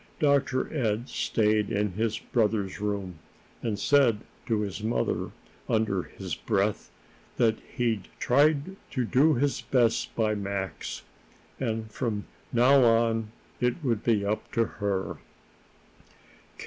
Dr. Ed stayed in his brother's room, and said to his mother, under his breath, that he'd tried to do his best by Max, and that from now on it would be up to her.